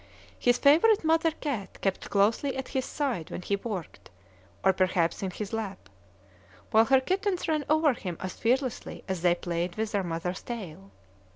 His favorite mother cat kept closely at his side when he worked, or perhaps in his lap; while her kittens ran over him as fearlessly as they played with their mother's tail.